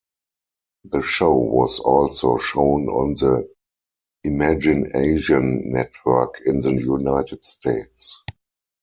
The show was also shown on the ImaginAsian network in the United States.